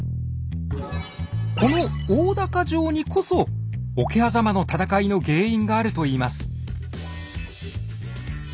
この大高城にこそ桶狭間の戦いの原因があるといいます。